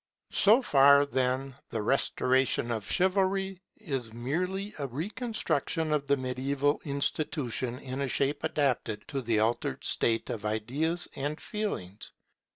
So far, then, the restoration of Chivalry is merely a reconstruction of the mediaeval institution in a shape adapted to the altered state of ideas and feelings.